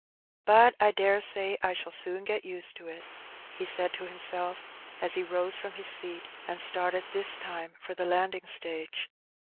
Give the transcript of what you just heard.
" But I daresay I shall soon get used to it," he said to himself, as he rose from his seat, and started this time for the landing stage.